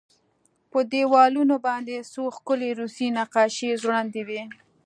په دېوالونو باندې څو ښکلې روسي نقاشۍ ځوړندې وې